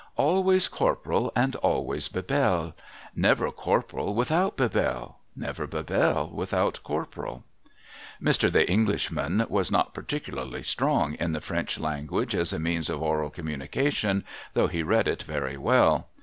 Always Corporal and always Bebelle. Never Corporal without Bebelle. Never Bebelle without Corporal. Mr. The Englishman was not particularly strong in the French language as a means of oral communication, though he read it very well.